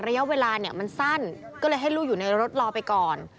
ระยะเวลาเนี่ยมันสั้นก็เลยให้ลูกอยู่ในรถรอไปก่อน